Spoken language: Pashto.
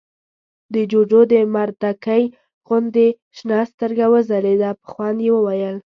د جُوجُو د مردکۍ غوندې شنه سترګه وځلېده، په خوند يې وويل: